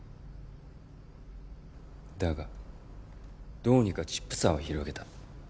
だがどうにかチップ差は広げた。